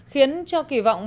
khiến cho kỳ vọng